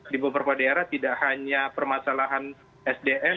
di beberapa daerah tidak hanya permasalahan sdm